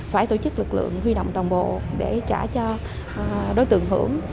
phải tổ chức lực lượng huy động toàn bộ để trả cho đối tượng hưởng